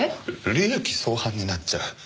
利益相反になっちゃう。